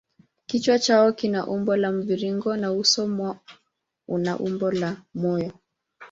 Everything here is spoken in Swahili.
Kichwa chao kina umbo la mviringo na uso mwao una umbo la moyo.